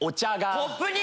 コップに？